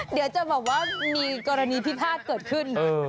เดี๋ยวจะบอกว่ามีกรณีที่พลาดเกิดขึ้น